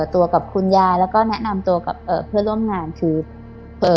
ตัวกับคุณยายแล้วก็แนะนำตัวกับเอ่อเพื่อนร่วมงานคือเอ่อ